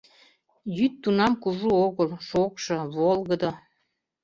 Йӱд тунам кужу огыл, шокшо, волгыдо...